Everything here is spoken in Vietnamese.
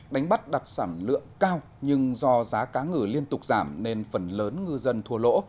đánh bắt đặc sản lượng cao nhưng do giá cá ngừ liên tục giảm nên phần lớn ngư dân thua lỗ